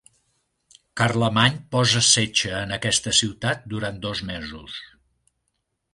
Carlemany posa setge en aquesta ciutat durant dos mesos.